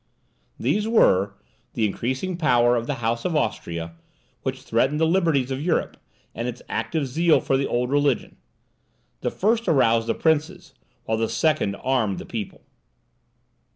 These were, the increasing power of the House of Austria, which threatened the liberties of Europe, and its active zeal for the old religion. The first aroused the princes, while the second armed the people.